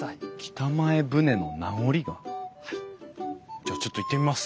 じゃあちょっと行ってみます。